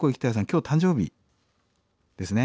今日誕生日ですね。